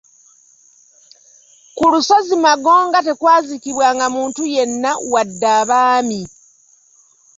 Ku lusozi Magonga tekwaziikibwanga muntu yenna wadde abaami .